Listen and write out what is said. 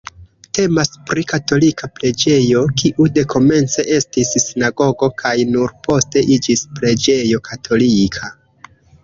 Temas pri katolika preĝejo, kiu dekomence estis sinagogo kaj nur poste iĝis preĝejo katolika.